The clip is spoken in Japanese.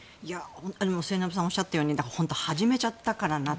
末延さんがおっしゃったように始めちゃったからなと。